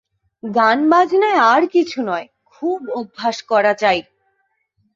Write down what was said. গানবাজনায় আর কিছু নয়, খুব অভ্যাস করা চাই।